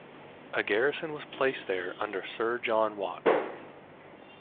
A garrison was placed there under Sir John Watts.